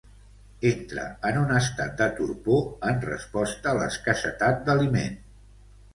Entra en un estat de torpor en resposta a l'escassetat d'aliment.